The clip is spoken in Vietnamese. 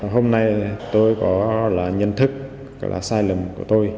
hôm nay tôi có là nhận thức là sai lầm của tôi